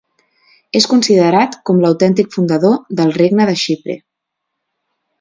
És considerat com l'autèntic fundador del regne de Xipre.